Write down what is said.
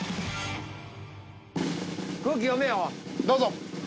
どうぞ。